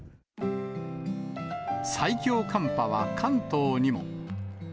最強寒波は関東にも。